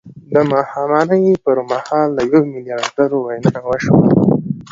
د ماښامنۍ پر مهال د يوه ميليارد ډالرو وينا وشوه.